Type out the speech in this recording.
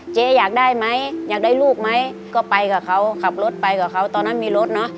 อยากได้ไหมอยากได้ลูกไหมก็ไปกับเขาขับรถไปกับเขาตอนนั้นมีรถเนอะ